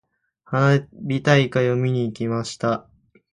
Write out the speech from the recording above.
花火大会を見に行きました。